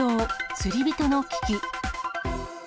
釣り人の危機。